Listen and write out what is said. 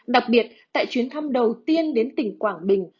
đặc biệt tại chuyến thăm đầu tiên đến tỉnh quảng bình